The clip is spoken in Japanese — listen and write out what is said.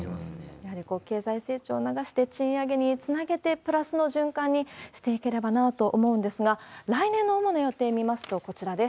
やはり経済成長を促して、賃上げにつなげて、プラスの循環にしていければなと思うんですが、来年の主な予定見ますと、こちらです。